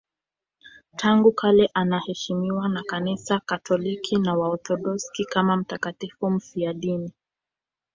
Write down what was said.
Tangu kale anaheshimiwa na Kanisa Katoliki na Waorthodoksi kama mtakatifu mfiadini.